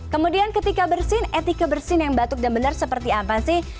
kemudian ketika bersin etika bersin yang batuk dan benar seperti apa sih